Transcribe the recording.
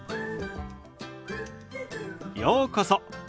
ようこそ。